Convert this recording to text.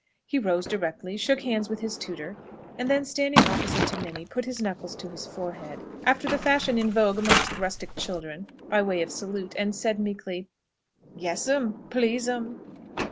He rose directly, shook hands with his tutor, and then standing opposite to Minnie, put his knuckles to his forehead, after the fashion in vogue amongst rustic children by way of salute, and said meekly, "Yes'm, please'm."